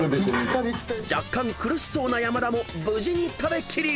［若干苦しそうな山田も無事に食べ切り］